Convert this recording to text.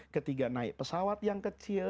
ketika naik pesawat yang kecil